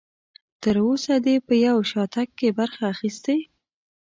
تر اوسه دې په یو شاتګ کې برخه اخیستې؟